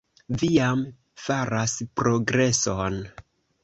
Vi jam faras progreson.